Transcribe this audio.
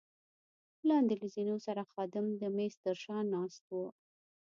لاندې له زینو سره خادم د مېز تر شا ناست وو.